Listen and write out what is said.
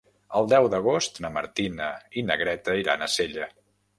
El deu d'agost na Martina i na Greta iran a Sella.